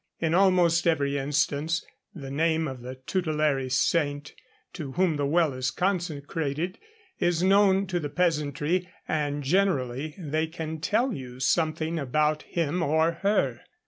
In almost every instance, the name of the tutelary saint to whom the well is consecrated is known to the peasantry, and generally they can tell you something about him, or her.